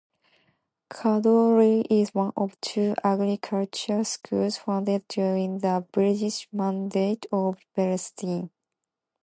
Kadoorie is one of two agricultural schools founded during the British Mandate of Palestine.